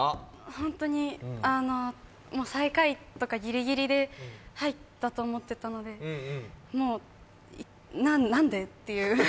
ホントに最下位とかギリギリで入ったと思ってたので何でっていう。